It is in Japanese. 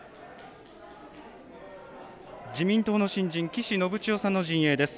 自民党の新人、岸信千世さんの陣営です。